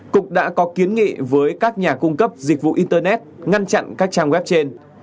cục đã có kiến nghị với các nhà cung cấp dịch vụ internet ngăn chặn các trang web trên